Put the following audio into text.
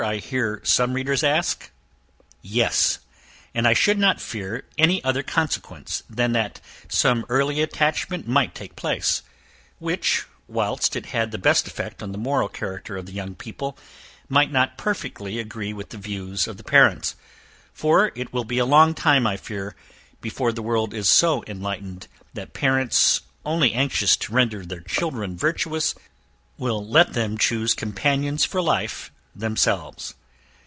I hear some readers ask: yes. And I should not fear any other consequence, than that some early attachment might take place; which, whilst it had the best effect on the moral character of the young people, might not perfectly agree with the views of the parents, for it will be a long time, I fear, before the world is so enlightened, that parents, only anxious to render their children virtuous, will let them choose companions for life themselves.